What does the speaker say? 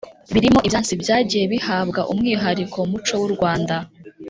birimo ibyansi byagiye bihabwa umwihariko mu muco w’u Rwanda.